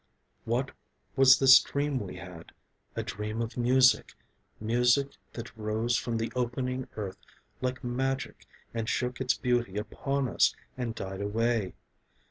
What was this dream we had, a dream of music, Music that rose from the opening earth like magic And shook its beauty upon us and died away?